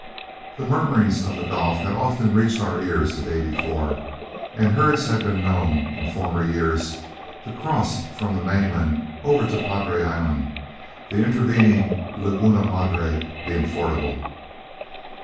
The murmurings of the Gulf had often reached our ears the day before, and herds had been known, in former years, to cross from the mainland over to Padre Island, the intervening Laguna Madre being fordable.